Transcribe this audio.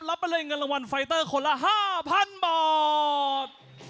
รับไปเลยเงินรางวัลไฟเตอร์คนละห้าพันบอร์ด